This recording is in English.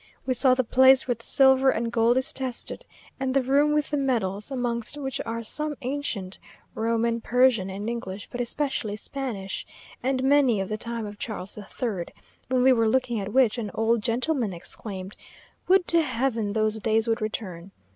We saw the place where the silver and gold is tested; and the room with the medals, amongst which are some ancient Roman, Persian, and English, but especially Spanish, and many of the time of Charles III.; when we were looking at which, an old gentleman exclaimed, "Would to Heaven those days would return!"